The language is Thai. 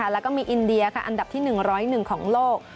แล้วก็มีอินเดียอันดับที่๑๐๑ของโลก